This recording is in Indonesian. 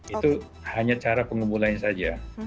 itu hanya cara pengumpulannya saja